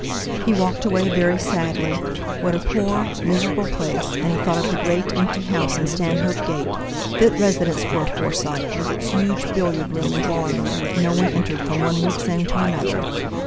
He walked away very sadly. What a poor miserable place; and he thought of the great, empty house in Stanhope Gate, fit residence for a Forsyte, with its huge billiard room and drawing room that no one entered from one week's end to another.